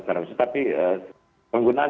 serupa tapi penggunaan